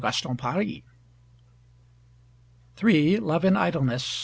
Gaston Paris. "Love in Idleness."